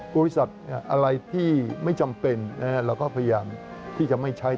บริษัทอะไรที่ไม่จำเป็นเราก็พยายามที่จะไม่ใช้